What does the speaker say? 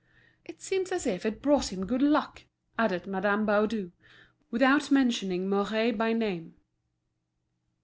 "It seems as if it brought him good luck," added Madame Baudu, without mentioning Mouret by name.